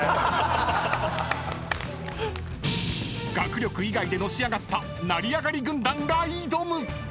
［学力以外でのし上がった成り上がり軍団が挑む！］